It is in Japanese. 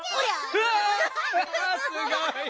うわすごい！